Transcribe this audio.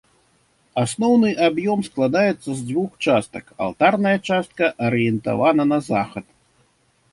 Асноўны аб'ём складаецца з дзвюх частак, алтарная частка арыентавана на захад.